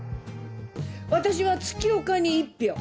私は月岡に１票。